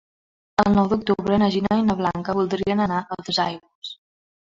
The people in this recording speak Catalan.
El nou d'octubre na Gina i na Blanca voldrien anar a Dosaigües.